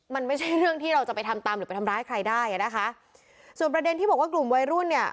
มันไม่ใช่เรื่องที่เราจะไปทำตามหรือไปทำร้ายใครได้อ่ะนะคะส่วนประเด็นที่บอกว่ากลุ่มวัยรุ่นเนี่ย